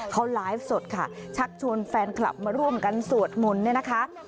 เขาไลฟ์สดค่ะชักชวนแฟนคลับมาร่วมกันสวดมนต์เนี่ยนะคะ